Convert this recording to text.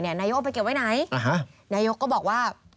นายกไปเก็บไว้ไหนนายกก็บอกว่า